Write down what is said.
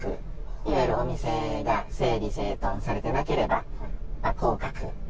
いわゆるお店が整理整頓されてなければ、降格。